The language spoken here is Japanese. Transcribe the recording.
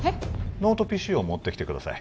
ノートＰＣを持ってきてください